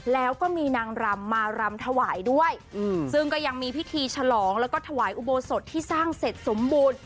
แล้วก็มีนางรำมารำถวายด้วยซึ่งก็ยังมีพิธีฉลองแล้วก็ถวายอุโบสถที่สร้างเสร็จสมบูรณ์